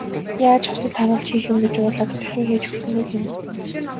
Яаж хувцас тааруулж хийх юм гэж уурлаад дахин хийж өгсөнгүй гэнэ.